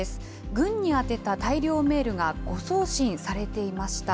軍に宛てた大量メールが誤送信されていました。